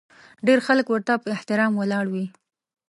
ډېر خلک ورته په احترام ولاړ وي.